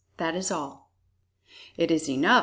That is all." "It is enough!"